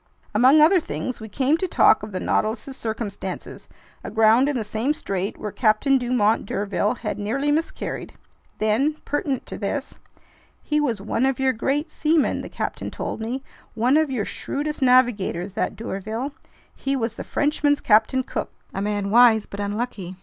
Among other things, we came to talk of the Nautilus's circumstances, aground in the same strait where Captain Dumont d'Urville had nearly miscarried. Then, pertinent to this: "He was one of your great seamen," the captain told me, "one of your shrewdest navigators, that d'Urville! He was the Frenchman's Captain Cook. A man wise but unlucky!